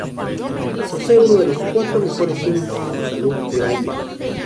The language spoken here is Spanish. Posee uno de los cuatro mejores índices de salud de Bahia.